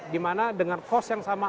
dimana dengan cost yang sama